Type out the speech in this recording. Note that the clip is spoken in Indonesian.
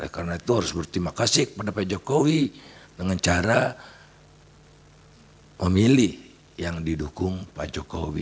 karena itu harus berterima kasih kepada pak jokowi dengan cara memilih yang didukung pak jokowi